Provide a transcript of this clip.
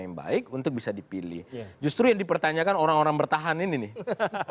yang baik untuk bisa dipilih justru yang dipertanyakan orang orang bertahan ini nih